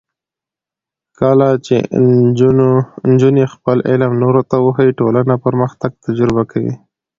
کله چې نجونې خپل علم نورو ته وښيي، ټولنه پرمختګ تجربه کوي.